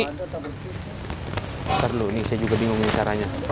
nanti dulu ini saya juga bingung caranya